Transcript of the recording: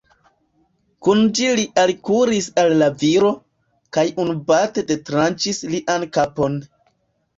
Kun ĝi li alkuris al la viro, kaj unubate detranĉis lian kapon.